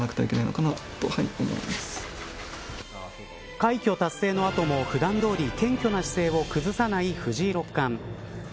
快挙達成の後も普段どおり謙虚な姿勢を崩さない藤井六冠。